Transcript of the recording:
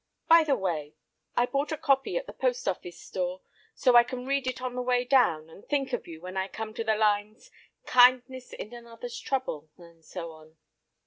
By the way, I bought a copy at the post office store, so I can read it on the way down and think of you when I come to the lines 'Kindness in another's trouble,' and so on."